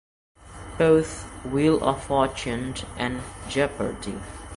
Both "Wheel of Fortune" and "Jeopardy!